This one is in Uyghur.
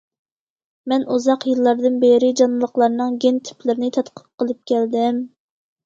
مەن ئۇزاق يىللاردىن بېرى جانلىقلارنىڭ گېن تىپلىرىنى تەتقىق قىلىپ كەلدىم.